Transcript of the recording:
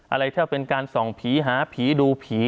อะไรถ้าเป็นการส่องผีหาผีดูผี